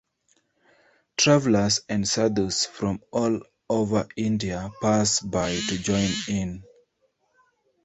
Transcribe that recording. Travelers and sadhus from all over India pass by to join in.